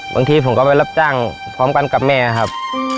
บางทีผมก็ไปรับจ้างพร้อมกันกับแม่ครับ